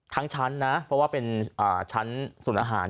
ทั้งชั้นนะเพราะว่าเป็นชั้นศูนย์อาหาร